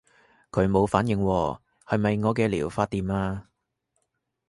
佢冇反應喎，係咪我嘅療法掂啊？